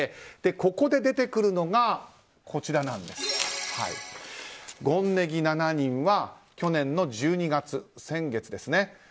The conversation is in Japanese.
ここで出てくるのが権禰宜７人は去年の１２月、先月ですね